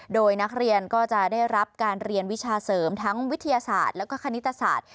โดยนักเรียนก็จะได้รับการเรียนวิชาเสริมทั้งวิทยาศาสตร์แล้วก็คณิตศาสตร์